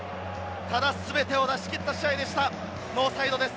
ただ全てを出し切った試合でした、ノーサイドです。